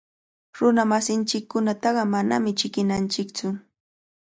Runamasinchikkunataqa manami chiqninanchiktsu.